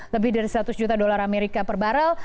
lebih dari seratus juta dolar amerika per barrel